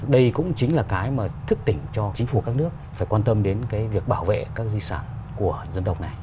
đây cũng chính là cái mà thức tỉnh cho chính phủ các nước phải quan tâm đến cái việc bảo vệ các di sản của dân tộc này